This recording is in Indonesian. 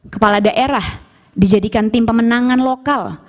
kepala daerah dijadikan tim pemenangan lokal